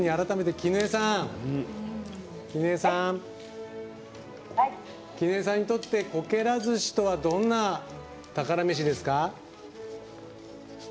キヌエさんにとってこけら寿司とはどんな宝メシですか？